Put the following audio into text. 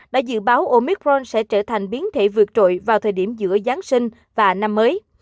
đã dự báo omicron sẽ trở thành biến thể vượt trội vào thời điểm giữa giáng sinh và năm mới